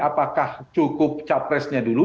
apakah cukup capresnya dulu